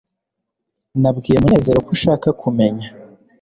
nabwiye munezero ko ushaka kumenya